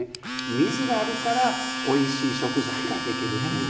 水があるからおいしい食材ができるという。